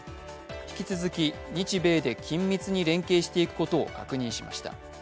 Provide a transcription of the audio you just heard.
引き続き日米で緊密に連携していくことを確認しました。